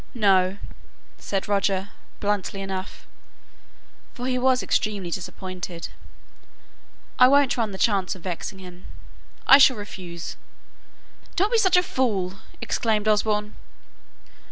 "No," said Roger, bluntly enough for he was extremely disappointed; "I won't run the chance of vexing him. I shall refuse." "Don't be such a fool!" exclaimed Osborne.